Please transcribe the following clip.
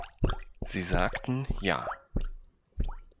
Sie sagten "Ja".